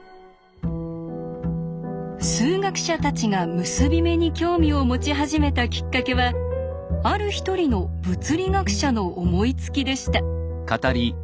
数学者たちが結び目に興味を持ち始めたきっかけはある一人の物理学者の思いつきでした。